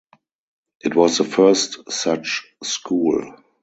It was the first such school.